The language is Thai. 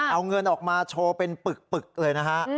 เอาเงินออกมาโชว์เป็นปึกเลยนะฮะ